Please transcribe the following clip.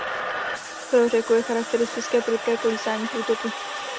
Pro řeku je charakteristické prudké kolísání průtoku.